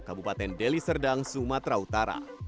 kabupaten deli serdang sumatera utara